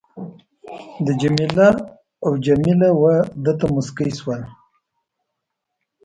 ده جميله او جميله وه ده ته مسکی شول.